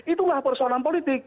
itulah persoalan politik